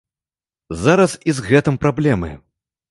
Зараз і з гэтым праблемы.